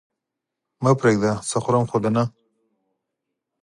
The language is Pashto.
مه پرېږده! څه خورم خو دې نه؟